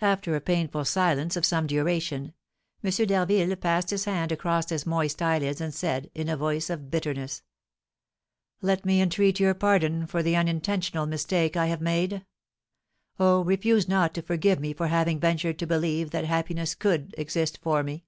After a painful silence of some duration, M. d'Harville passed his hand across his moist eyelids and said, in a voice of bitterness: "Let me entreat your pardon for the unintentional mistake I have made. Oh, refuse not to forgive me for having ventured to believe that happiness could exist for me!"